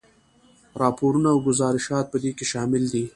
راپورونه او ګذارشات په دې کې شامل دي.